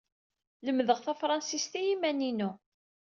Lemmdeɣ tafṛensist i yiman-inu.